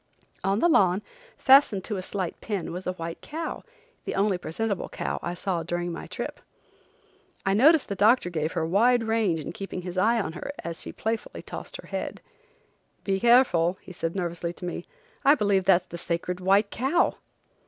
On the lawn, fastened to a slight pin, was a white cow, the only presentable cow I saw during my trip. I noticed the doctor gave her wide range keeping his eye on her as she playfully tossed her head. "Be careful," he said nervously to me. "I believe that's the sacred white cow."